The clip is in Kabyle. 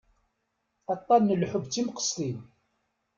Aṭṭan n lḥubb d timqestin.